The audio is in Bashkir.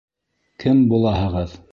Кем булаһығыҙ?